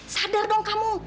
sadar dong kamu